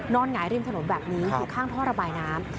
หงายริมถนนแบบนี้อยู่ข้างท่อระบายน้ำ